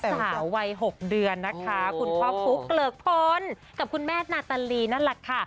ลูกสาววัยหกเดือนนะคะโอ้โหคุณพ่อฟุ๊กเกลือกพลกับคุณแม่นาตาลีน่ารักค่ะ